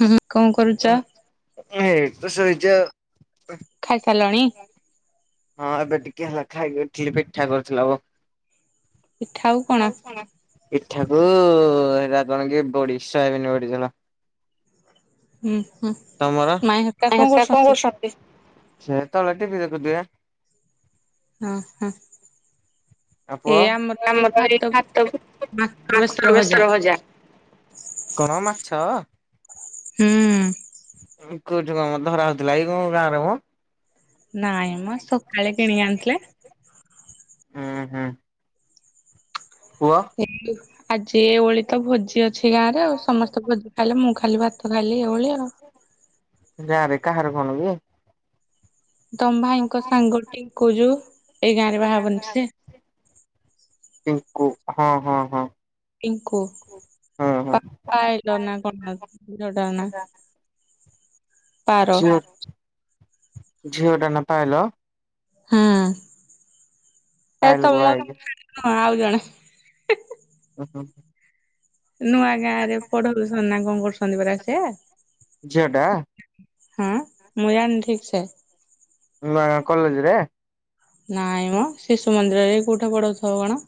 ହୁଁ କଣ କରୁଛ? ହେଇଟି ତ ଶୋଇଛ ଆଉ ଖାଇସାରିଲଣି ହଁ ଏବେ ଟିକେ ହେଲା ଖାଇକି ଉଠିଲି ପିଠା କରୁଥିଲାବ। ପିଠା ଆଉ କଣ ପିଠା କୁ ହେରା କଣ କି ବଡି ସୋୟାବିନ ବଡ଼ି ଝୋଳ। ହୁଁ ହୁଁ। ତମର ମାଇଁ ହେରିକା କଣ କରୁଛନ୍ତି? ସେତେବେଳେଟି ଦେ। ହଁ ହଁ ଆଉ ଏ ପୁଅ? ଆମର ଏଇ ଭାତକୁ ମାଛ ବେସର ଭଜା କଣ ମାଛ? ହୁଁ। କୋଉଠି କଣ ମ ଧରା ହଉଥିଲା କି ଗାଁରେ ମଁ? ନାଇଁ ମ ସକାଳେ ହୁଁ କିଣିକି ଆଣିଥିଲେ ହୁଁ। ପୁଅ? ଆଜି ଏ ଓଳି ତ ଭୋଜି ଅ ଛି ଗାଁ ରେ ଆଉ ସମସ୍ତେ ଭୋଜି ଖାଇଲେ ମୁଁ ଖାଲି ଭାତ ଖାଲି ଏଇ ଓଳି ଆଉ। ଗାଁରେ କାହାର କଣ କି? ତମ୍ ଭାଇଙ୍କ ସାଙ୍ଗଟିଙ୍କୁ ଯୋଉ ଏଇ ଗାଁ ରେ ବାହାଘରନି ସେ ଚିଙ୍କୁ ହଁ ହଁ ହଁ ପିଙ୍କୁ ହଁ ହଁ ନା କଣ ନା [unintelligible] ପାର ଝିଓ ଝିଓ ଟା ନା ପାଏଲ? ହଁ ଏ ପାୟଲକୁ ବାହା ତମ ହେଇଚି। କ ଆଉ ଜଣେ ହଁ ହଁ। ନୂଆ ଗାଁ ରେ ପଢଉସନ୍ତି ନା କଣ କରୁସନ୍ତି ପରା ସେ? ଝିଅ ଟା। ହଁ ମୁଁ ଜାଣିନି ଠିକ୍ ସେ। ମୁଁ ବା କଲେଜରେ। ନାଇଁ ମ ଶିଶୁ ମନ୍ଦିରରେ କୋଉଠେ ପଢଉଥିବ କଣ।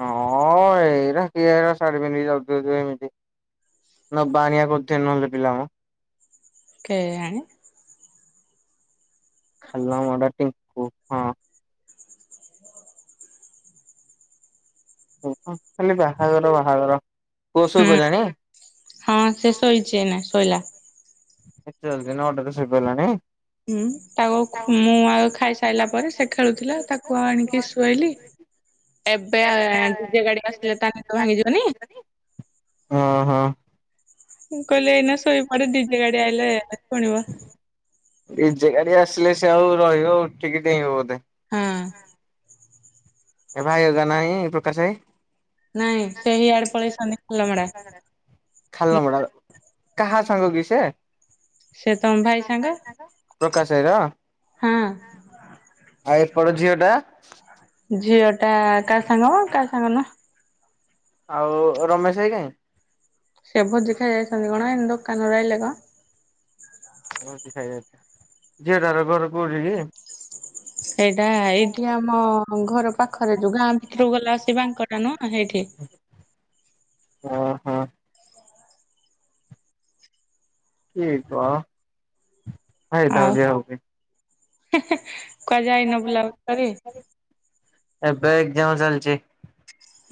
ହଁ ଏଇରା କିଏ ଏରା ଶାରୀ ପିନ୍ଧିକି ଯାଉଚି ଏମିତି। ନବା ଆଣିଆ କରୁଥୁବେ ନହେଲେ ପିଲା ମ। କେଜାଣି। ଖାଲୁଆ ମୁହଁ ଟା ଟିଙ୍କୁ -ହଁ। ଓହୋ ଖାଲି ବାହାଘର ବାହାଘର -ପୁଅ ହୁଁ ଶୁଇପଇଲାଣି? ହଁ ସେ ଶୋଇଚି ଏଇନେ ଶୋଇଲା। ଏତେ ଜଲ୍ଦି ନଅ ଟାରୁ ଶୋଇପଡିଲାଣି। ହୁଁ ତାକୁ ଖୁ-ମୁଁ ଆଗ ଖାଇସାଇଲା ପରେ ସେ ଖେଳୁଥିଲା ତାକୁ ଆଣିକି ଶୁଏଇଲି। ଏବେ ଆ- ଡିଜେ ଗାଡି ଆସିଲେ ତା ନିଦ ଭାଙ୍ଗିଯିବନି। ଓ- ହ। ମୁଁ କହିଲେ ଏଇନା ଶୋଇପଡେ ଡିଜେ ଗାଡି ଆଇଲେ ଶୁଣିବ। ଡିଜେ ଗାଡି ଆସିଲେ ସେ ଆଉ ରହିବ ଉଠିକି ଡେଇଁବ ବୋଧେ। ହଁ। ଏ ଭାଇ ହେକା ନାହିଁ ପ୍ରକାଶ ଭାଇ। ନାଇଁ ସେହି ହିଆଡେ ପଳେଇ ସନି [unintelligible] ମେଡା। ଖାଲ ମଡା- କାହା ସାଙ୍ଗ କି ସେ? ସେ ତମ ଭାଇ ସାଙ୍ଗ ପ୍ରକାଶ ଭାଇର ହଁ ଆଉ ଏପର ଝିଅ ଟା? ଝିଅଟା କା ସାଙ୍ଗ କା ସାଙ୍ଗ ନୁହଁ। ଆଉ ରମେଶ ଭାଇ କାଇଁ? ସେ ଭୋଜି ଖାଇ ଯାଇଚନ୍ତି କଣ ଏଇନୁ ଦୋକାନରୁ ଆଇଲେ କଣ। ଭୋଜି ଖାଇ ଯାଇସନ୍ତି -ଝିଅଟାର ଘର କଉଠେ କି? ଏଇଟା ଏଇଠି ଆମ ଘର ପାଖରେ ଯଉ ଗାଁ ଭିତରୁକୁ ଗଲା ବସି ବାଙ୍କଟା ନୁହଁ ହେଇଠେ। ଓହୋ। କିଏ କହ ହଉଥାଉ ଯିଏ ହଉଚି। ହିଁ -ହିଁ କୁଆଡେ ଯାଇନ ବୁଲାବୁଲି କରି? ଏବେ ଏକ୍ଜାମ ଚାଲିଚି।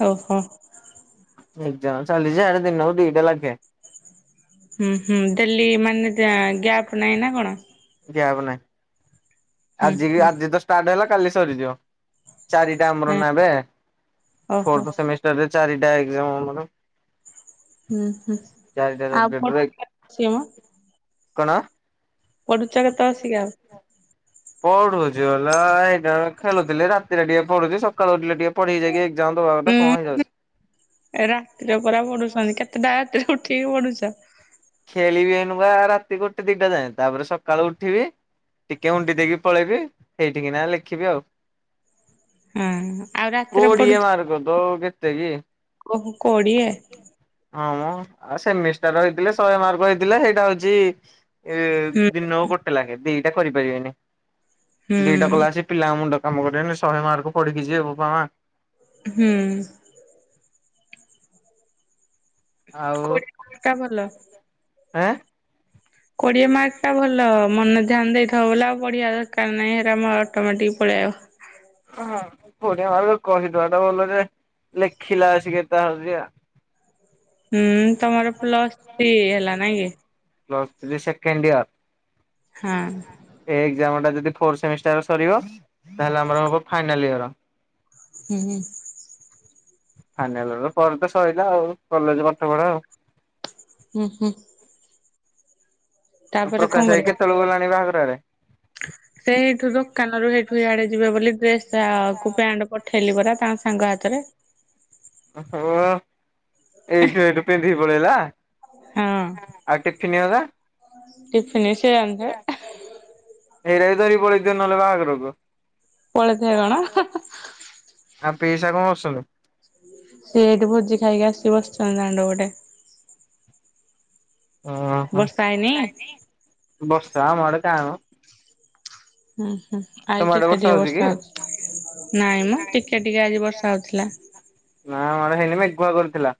ଓହୋ। ଏକ୍ଜାମ ଚାଲିଚି ଆରେ ଦିନକୁ ଦିଟା ଲାକେ। ହୁଁ- ହୁଁ ଡେଲି ମାନେ ଗା-ଗ୍ୟାପ୍ ନାହିଁ ନା କଣ? ଗ୍ୟାପ ନାହିଁ ହୁଁ ଆଜି କି- ହୁଁ ଆଜି ତ ଷ୍ଟାର୍ଟ ହେଲା କାଲି ସରିଯିବ ଚାରିଟା ଆମର ହଁ ନା ଏବେ ଓହୋ ଫୋର୍ଥ ସେମି ତା ଦିଅରେ ଚାରିଟା ଏକ୍ଜାମ୍ ଆମର। ହୁଁ ହୁଁ ଚାରିଟା ସବଜେକ୍ଟ ଆଉ ରେ [unintelligible] କଣ? ପଢ଼ୁଚ କେତେବଳେ ଆସି କି ଆଉ? ପଢୁଚି ହେଲା ଏଇନେ ଖେଳୁଥିଲି ରାତିରେ ଟିକେ ପଢୁଚି ସ ସକାଳୁ ଉଠିଲେ ଟିକେ ପଢିକି ଯାଇକି ଏକ୍ଜାମ୍ ଦବା କଥା କଣ ହେଇଯାଉଚି। ଏ ରାତିରେ ପରା ପଢୁସନି କେତେଟା ରାତିରେ ଉଠିକି ପଢୁଚ? ଖେଳିବି ଏଇନୁକା ରାତି ଗୋଟେ ଦିଟା ଯାଏଁ ତାପରେ ସକାଳୁ ଉଠିବି ଟିକେ ଉଣ୍ଡି ଦେଇକି ପଳେଇବି ହେଇଟିକି ନା ଲେଖିବି ଆଉ। ଅଁ -ହଁ ଆଉ ରାତିରେ କୋଡିଏ ପଢୁଚ ମାର୍କ ତ କେତେ କି ଓ କୋଡ଼ିଏ। ହଁ ମ ଆଉ ସେମିଷ୍ଟାର ହେଇଥିଲେ ଶହେ ମାର୍କ ହେଇଥିଲେ ହେଇଟା ହଉଚି ଏ ହୁଁ ଦିନକୁ ଗୋଟେ ଲାଖେ ଦିଟା କରିପାରିବେନି ହୁଁ ଦିଟା କଲାସିକି ପିଲାଙ୍କ ମୁଣ୍ଡ କାମ କରିବନି ଶହେ ମାର୍କ ପଢିକି ଯିବେ ଵୋପା ମା। ହୁଁ। ଆଉ କୋଡିଏ ଟା ଭଲ ଆଁ। କୋଡିଏ ମାର୍କ ଟା ଭଲ ମନ ଧ୍ୟାନ ଦେଇଥିବ ବଲେ ଆଉ ପଢିଆ ଦରକାର ନାହିଁ ଏରା ମ ଅଟୋମେଟିକ୍ ପଳେଇ ଆଇବ ହଁ ପୁଣି ଆଉ କହିଦବାଟା ଭଲ ଯେ ଲେଖିଲା ଆସିକି ଏ ତା ହଉଛି ଆ ହୁଁ ତମର ପ୍ଲସ୍ ଥ୍ରି ହେଲା ନାଇଁ କି? Plus three second year. ହଁ। ଏ ଏକ୍ଜାମ ଟା ଯଦି ଫୋର ସେମିଷ୍ଟାର ସରିବ ତାହେଲେ ଆମର ଫାଇନାଲ୍ ଇୟର। ହୁଁ ହୁଁ। ଫାଇନାଲ ଇୟର ପରେ ତ ସରିଲା ଆଉ କଲେଜ ପାଠ ପଢ଼ା ଆଉ। ହୁଁ ହୁଁ। ତାପରେ କଣ ପ୍ରକାଶ ଭାଇ କରିବା? କେତେବେଳୁ ଗଲାଣି ବାହାଘର ଆରେ? ସେ ଏଇଠୁ ଦୋକାନ ରୁ ଏଇଠୁ ଇଆଡେ ଯିବେ ବୋଲି ଡ୍ରେସ ଆଉ କୁ ପ୍ୟାଣ୍ଟ ପଠେଇଲି ପରା ତାଙ୍କ ସାଙ୍ଗ ହାତରେ। ଓହୋ ଏଇଠୁ ଏଇଠୁ ପିନ୍ଧିକି ପଳେଇଲା। ହୁଁ ଆଉ ଟିଫିନ୍ ହେଲା ଟିଫିନି ସେ ଜାଣିଥିବେ। ଏଇରା ଧରିକୁ ପଳେଇଥିବ ନହଲେ ବାହାଘରକୁ। ପଳେଇଥାଏ କଣ? ଆଉ ପିଇସା କଣ କରୁଛନ୍ତି? ସେ ଏଇଠି ଭୋଜି ଖାଇକି ଆସିି ବସିଛନ୍ତି ଦାଣ୍ଡ ପଟେ। ଓହୋ ବର୍ଷା ହେଇନି? ବର୍ଷା ଆମ ଆଡ଼େ କାଇଁ ମ। ହୁଁ ହୁଁ ତମ ଆଜି ଆଡେ ଟିକେ ଟିକେ ହଉଛି କି? ବର୍ଷା ହଉଛି। ନାଇଁ ମ ଟିକେ ଟିକେ ଆଜି ବର୍ଷା ହଉଥିଲା। ନା ଆମ ଆଡ଼େ ହେଇନି ମେଘୁଆ କରିଥିଲା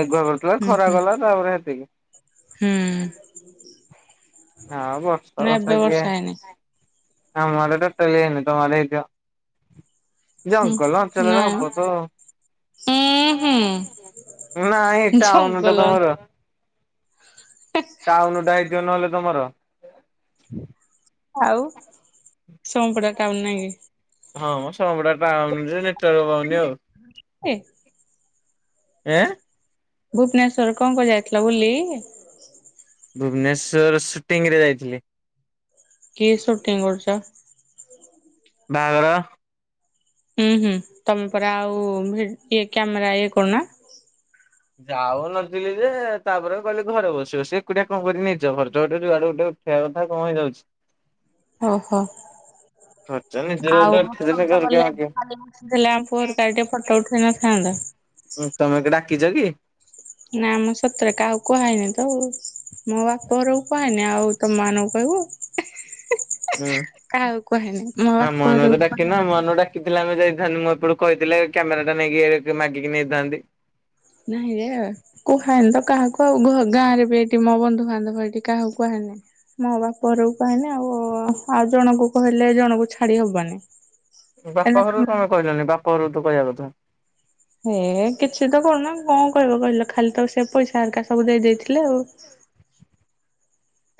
ମେଘୁଆ କରିଥିଲା ହୁଁ ଖରା ହୁଁ କଲା ତାପରେ ସେତିକି। ହୁଁ। ହଁ ବର୍ଷ ନା ଏବେ ବର୍ଷାକି ବର୍ଷା ହେଇନି ଆମ ଆଡ଼େ ଟୋଟାଲି ହେଇନି ତମ ଆଡେ ହେଇଥିବ। ହୁଁ ଜଙ୍ଗଲ ଅଞ୍ଚଳରେ ନାଇଁ ହବ ତ। ଉଁ ହୁଁ ନାଇ ଏଟା ଆଉନି ତ ଜଙ୍ଗଲ ତମର। ଟାଉନୁ ଦାୟିତ୍ୱ ନହେଲେ ତମର। ଆଉ ସୋମପଡା ଟାଉନ୍ ନାଇ କି। ହଁଁ ମ ସୋମପଡା ଟାଉନ୍ ଯେ ନେଟୱାର୍କ ପାଉନି ଆଉ। କି ଏ ଏଁ ଭୁବନେଶ୍ଵର କଣ କଣ ଯାଇଥିଲା ବୁଲି ଭୁବନେଶ୍ୱର ସୁଟିଂ ରେ ଯାଇଥିଲି। କି ସୁଟିଂ କରୁଚ଼? ବାହାଘର। ହୁଁ ହୁଁ ତମ ପରା ଆଉ ଇଏ କ୍ୟାମେରା ଇଏ କରୁନା। ଯାାଉ ନଥିଲି ଯେ ତାପରେ କହିଲେ ଘରେ ବସିବ ସେ ଏକୁଡିଆ କଣ କରିବି ନିଜ ଖର୍ଚ୍ଚ ଗୋଟେ ଯୁଆଡେ ଗୋଟେ ଖେଆ କଥା କଣ ହେଇଯାଉଛି। ଓହୋ ଖର୍ଚ୍ଚ ନିଜର ଗୋଟେ ଆଉ ଉଠେଇଦେଲେ ଗଲେ ଘରକୁ [unintelligible] ଆଉ ଲେ କିଏ ଆମ ପୁଅର କା ଟିକେ ଫଟୋ ଉଠେଇ ନଥାନ୍ତା ଉଁ ତମେ ମତେ ଡାକିଛ କି? ନା ଆମ ସତରେ କାହାକୁ କୁହା ହେଇନି ତ। ମୋ ବାପ ରୁ କଏନି ଆଉ ତ ମାନକୁ କହିବୁ। ହୁଁ କାହାକୁ କହେନି ମୋ ବାପର କହ କ ଖିଥିଲାମେ ଯାଇଥାନ୍ତନ୍ତି ମୁଁ ଏପଟୁ କହିଥିଲେ କ୍ୟାମେରା ଟା ନେଇକି ମାଗିକି ନେଇଥାନ୍ତି। ନାଇଁରେ ଆଉ କୁହାଏନି ତ କାହାକୁ ଆଉ ଗାଁରେ ବି ଏଠି ମୋ ବନ୍ଧୁଆନ୍ତୁ ଏଠି କାହାକୁ କୁହାନି। ମୋ ବାପ ଘରକୁ କହିନେ ଆଉ। ଆଉ, ଜଣଙ୍କୁ କହିଲେ ଜଣକୁ ଛାଡି ହବନି। ଏଇନା ବାପା ଘରରୁ ତମ କଁପେ କହିଲନି, ବାପା ଘରକୁ ତ କହିବା କଥା। ହେ କିଛି ତ କରୁନ କଣ କହିବ କହିଲ? ଖାଲି ତ ସେ ପଇସା ଆରକା ସବୁ ଦେଇ ଦେଇଥିଲେ ଆଉ।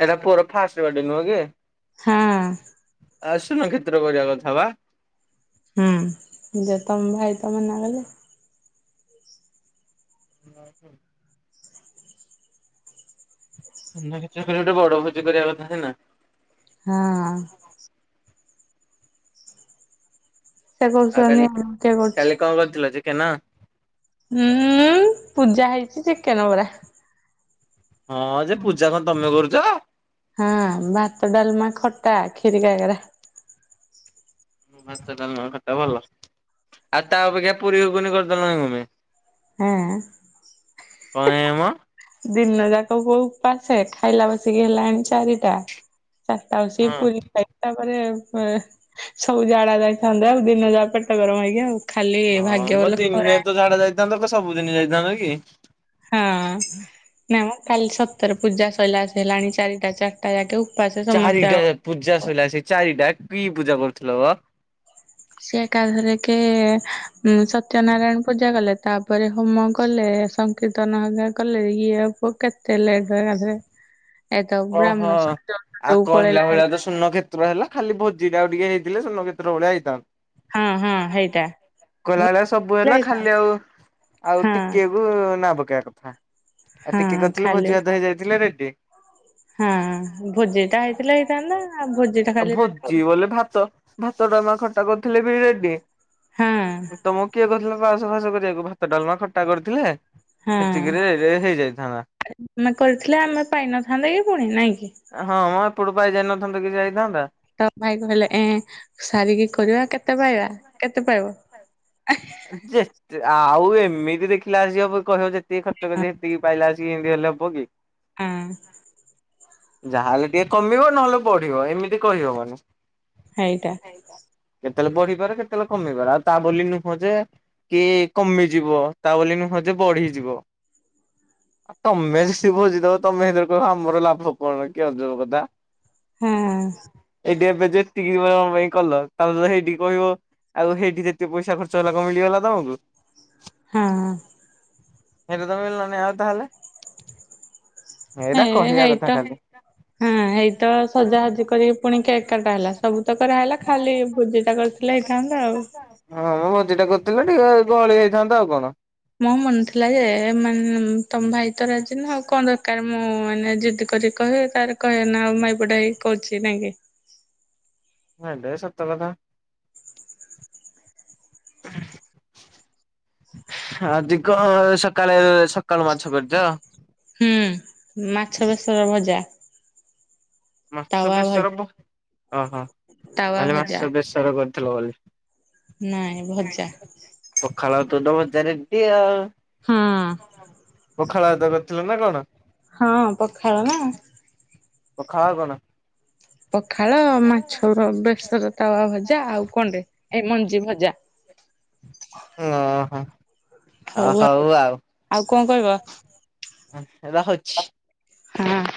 ଏଟା, ପୁଅର ଫାଷ୍ଟ ବାଡ଼େ ନୁହଁ କି? ହଁ। ଆସୁନ କ୍ଷେତ୍ର କରିବା କଥା ବା! ହୁଁ, ଯେ ତମ ଭାଇ ତ ମନା କଲେ। ନାଁ, କହି। [unintelligible] ଗୋଟେ ବଡ ଭୋଜି କରିବା କଥା ହେଲା ହଁ। ସେ ଆଉ କହୁଛନ୍ତି କାଲି, କିଏ କରୁଛି କାଲି କଣ କରିଥିଲ ଚିକେନ? ହୁଁ -ଉଁ ପୂଜା ହେଇଚି, ଚକେନ୍ ବରା ହଁ, ଯେ ପୂଜା କଣ ତମେ କରୁଚ଼? ହଁ, ଭାତ, ଡାଲମା, ଖଟା, କ୍ଷୀରି, କାକରା ଭାତ, ଡାଲାମା, ଖଟା ଭଲ। ଆଉ ତା ଆପେକ୍ଷା ପୁରି ଘୁଗୁନି କରିଦେଲନି କଁ ପେ? ହେଁ କଁ ଏଁ ମ! ଦିନ ଯାକ ବୋଉ ଉପାସେ, ଖାଇଲା ବସିକି ହେଲାଣି ଚାରିଟା। ଚାରିଟା ଅସି ପୁରୀ ଚାରିଟା ପରେ-ଏ, ସବୁ ଜାଡା ଯାଇଥାନ୍ତେ, ଆଉ ଦିନ ଯା ପେଟ ଗରମ ହେଇକି ଆଉ। ଖାଲି ହଁ, ଭାଗ୍ୟ ମ ଭଲ ଦିନେ ଖରା ତ ଝାଡା ଯାଇଥାନ୍ତ! କଣ ସବୁଦିନ ଯାଇଥାନ୍ତ କି? ହଁ, ନାଇଁମ କାଲି ସତରେ ପୂଜା ସରିଲା, ଆସି ହେଲାଣି ଚାରିଟା ଚାର୍ କାଲି ରାତିଏ ଉପାସେ ସମସ୍ତେ ଚାରିଟା ଆଓ ପୂଜା ସଇଲା ଆସିକି ଚାରିଟା! କି ପୂଜା କରୁଥିଲ ଅ? ସେ ଏକାଥରେ କେ ଉ ସତ୍ୟନାରାୟଣ ପୂଜା କଲେ ତା'ପରେ ହୋମ କଲେ, ସଂ କୀର୍ତ୍ତନ ହେକା କଲେ, ଇଏ ଆଉ ପୁଅ କେତେ ଲେଟରେ ଗାଧେଲେ। ଏ ତ ବ୍ରାହ୍ମଣ [inaudible] ପଳେଇଲା ଆଡ୍ କା ଶୂନକ୍ଷେତ୍ର ହେଲା, ଖାଲି ଭୋଜିଟା ଟିକେ ହେଇଥିଲେ ଶୂନକ୍ଷେତ୍ର ଭଳିଆ ହେଇଥାନ୍ତା। ହଁ ହଁ ହେଇଟା। ଭଲ କହିଲାଭଳିଆ ସବୁ ହେଲା, ହେଇଥା ଖାଲି ଆଉ, ଆଉ ହଁ ଟିକେକୁ ନା ପକେଇବା କଥା। ଆଉ ହଁ ଟିକେ କରିଥିଲୁ, ଖାଲି ଭୋଜି ଭାତ ହେଇ ଯାଇଥିଲେ ରେଡି। ହଁ, ଭୋଜି ଟା ହେଇଥିଲେ ହେଇଥାନ୍ତା, ଆଉ ଭୋଜି ଟା ଖାଲି [inaudible] ବୋଇଲେ ଭାତ, ଭାତ, ଡାଲମା, ଖଟା କରଥିଲେ ବି ରେଡ୍ଡିଁ! ତମ କିଏ କହିଥିଲା ପାସ ଫାସ କରିବାକୁ ଭାତ, ଡାଲମା, ଖଟା କରିଥିଲେ ହଁ ହେତିକିରେ ହେଇଯାଇଥାନ୍ତା। ଆମେ କରିଥିଲେ, ଆମେ ପାଇନଥାନ୍ତେ କି ପୁଣି ନାଇଁ କି! ହଁ, ମଁ ଏପଡୁ ପାଇ ଯାଇନଥାନ୍ତ କି ଯାଇଥାନ୍ତା। ତ ଭାଇ କହିଲେ ଏଁ ସାରିକି କରିବା, କେତେ ପାଇବା କେତେ ପାଇବ? ଯେତେ, ଆଉ ଏମିତି ଦେଖିଲା ଆସିକି ହବ କହିବ ଯେତିକି ଖର୍ଚ୍ଚ କରି ହେତିକି ପାଇଲା ଆସି ଚି ଏଁତିହେଲେ ହବ କି? ଆଁ। ଯାହାହେଲେ ଟିକେ କମିବ ନହେଲେ ବଢିବ। ଏମିତି କହିହବନି। ହେଇଟା। କେତେଳେ ବଢିପାରେ, କେତେଳେ କମି ପାରେ ଆଉ ତା ବୋଲି ନୁ ହଁ, ଯେ କି କମିଯିବ। ତା ବୋଲି ନୁହଁ ଯେ ବଢିଯିବ। ତମେ ଯିସି ଭୋଜିଦବ, ତମେ ହେଥିରେ କଇବ ଆମର ଲାଭ କଣ? କି ଅଜବ କଥା! ହଁ ଏଇଡି ଏବେଜେ [unintelligible] ପାଇଁ କଲ ତାପରେ [unintelligible] ହେଇଠି କହିବ ଆଉ ହେଇଠି ଯେତେ ପଇସା ଖର୍ ର୍ଚ୍ଚ ହେଲା କଣ ମିଳିଗଲା ତମକୁ? ହଁ। ମିଲାତ ମିଲ୍ଲାନି, ଆଉ ତାହେଲେ ହେ ଏଇଟା କହିବା କଥା ହେଇଟ ଖାଲି। ହଁ ହେଇତ ସଜା ହଜି କରିକି ପୁଣି କେକ୍ କାଟା ହେଲା ସବୁ ତ କରାହେଲା। ଖାଲି ଭୋଜି ଟା କରିଥିଲେ ହେଇଥାନ୍ତା ଆଉ। ହଁ ମ ଭୋଜି ଟା କରିଥିଲେ ଟିକେ ଗହଳି ହେଇଥାନ୍ତା ଆଉ କଣ। ମୋ ମନେ ଥିଲା ଯେ ମାନେ ତମ ଭାଇ ତ ରାଜି ନୁଃ ଆଉ କଣ ଦରକାର ମୁଁ ମାନେ ଜିଦି କରିକି କହିବି ତାପରେ କହିବେ ନା ଆଉ ମାଇପଟେ ହେଇକି କୋହୁଚି ନାଇଁ କି। [unintelligible] ସତ କଥା। [inaudible] ଆଜି କଁ ସକାଳେ ସକାଳୁ ମାଛ କରିଚ। ହୁଁ ମାଛ ବେଶର ଭଜା। ମାଛ ତାୱା ବେସର ଭଜା ଭ ଅଃ ତାୱା [unintelligible] ଭଜା ମାସ ବେସର କରିଥିଲ ବୋଲି। ନାଇଁ ଭଜା ପଖାଳ ଭାତକୁ ତ ଭଜା ରେଡି ଆଉ। ହଁ। ପଖାଳ ଭାତ କରିଥିଲ ନା କଣ। ହଁ ପଖାଳ ନା। ପଖାଳ ଆଉ କଣ। ପଖାଳ ମାଛର ବେସର ତାୱା ଭଜା ଆଉ କଣ୍ଡେ ଏଇ ମଞ୍ଜି ଭଜା। ଅଃ। ହୋଉ ଆଉ ଆଉ କଁ କହିବ। ହଁ ରହୁଛି। ହୁଁ।